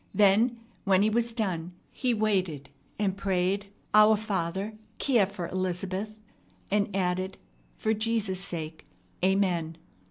Then, when he was done, he waited and prayed, "Our Father, care for Elizabeth," and added, "For Jesus' sake. Amen."